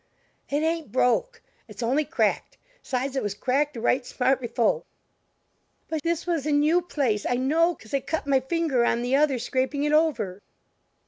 "It ain't broke, it's only cracked; 'sides, it was cracked a right smart befo'!" "But this was a new place I know, 'cause I cut my finger on the other, scraping it over."